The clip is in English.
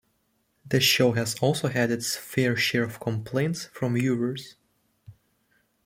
The show has also had its fair share of complaints from viewers.